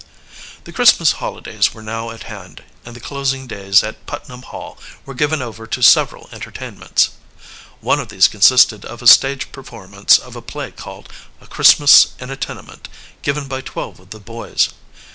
The Christmas holidays were now at hand and the closing days at Putnam Hall were given over to several entertainments. One of these consisted of a stage performance of a play called "A Christmas in a Tenement," given by twelve of the boys.